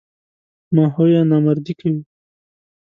ماهویه نامردي کوي.